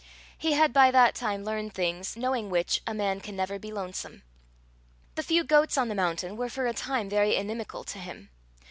He had by that time learned things knowing which a man can never be lonesome. The few goats on the mountain were for a time very inimical to him.